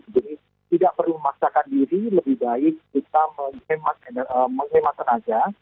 jadi tidak perlu memaksakan diri lebih baik kita menghematkan saja